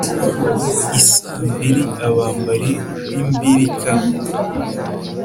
Isaa mbiri abambari b'imbirikanyi